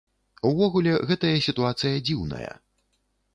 Увогуле, гэтая сітуацыя дзіўная.